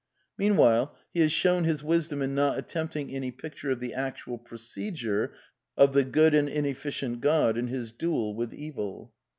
Meanwhile, he has shown his wisdom in not attempting any picture of the actual procedure of the good and inefficient God in his duel with Evil.